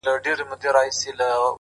یو گوزار يې ورته ورکړ ناگهانه-